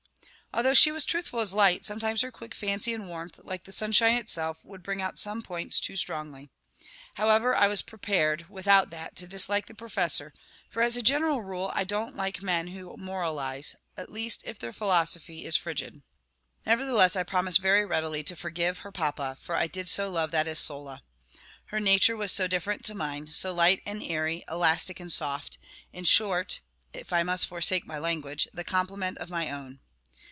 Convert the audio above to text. Although she was truthful as light, sometimes her quick fancy and warmth, like the sunshine itself, would bring out some points too strongly. However, I was prepared, without that, to dislike the Professor, for, as a general rule, I don't like men who moralise; at least if their philosophy is frigid. Nevertheless, I promised very readily to forgive her Papa, for I did so love that Isola. Her nature was so different to mine, so light and airy, elastic and soft; in short (if I must forsake my language), the complement of my own.